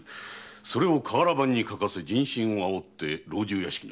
それを瓦版に書かせ人心を煽って老中屋敷に押しかける。